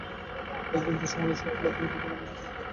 এক ব্যক্তি সমুদয় শক্তি লাভ করিতে পারে, কিন্তু তাহার পুনরায় পতন হইবে।